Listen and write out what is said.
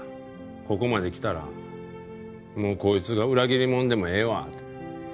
「ここまで来たらもうこいつが裏切りもんでもええわ」って。